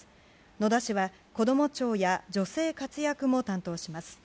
野田氏はこども庁や女性活躍も担当します。